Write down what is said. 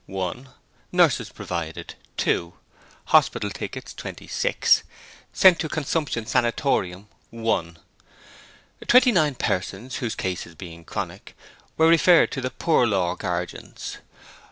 Nurses provided, 2. Hospital tickets, 26. Sent to Consumption Sanatorium, 1. Twenty nine persons, whose cases being chronic, were referred to the Poor Law Guardians.